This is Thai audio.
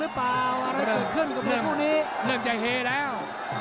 หรือเปล่าอะไรก็เกิดขึ้นเรื่องใจเฮแล้ว